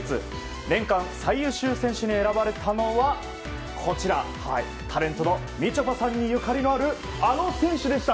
年間最優秀選手に選ばれたのはタレントのみちょぱさんにゆかりのあるあの選手でした。